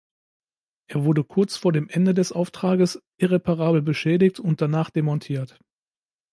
Er wurde kurz vor dem Ende des Auftrages irreparabel beschädigt und danach demontiert.